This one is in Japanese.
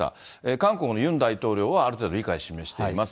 韓国のユン大統領はある程度理解を示しています。